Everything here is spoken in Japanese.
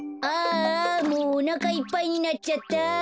ああもうおなかいっぱいになっちゃった。